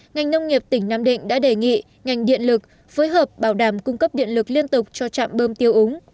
ngành nông nghiệp tỉnh nam định đã đề nghị ngành điện lực phối hợp bảo đảm cung cấp điện lực liên tục cho trạm bơm tiêu úng